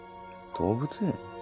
動物園？